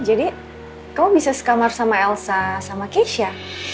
jadi kamu bisa sekamar sama elsa sama keisha